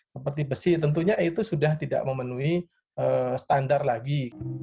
seperti besi tentunya itu sudah tidak memenuhi standar lagi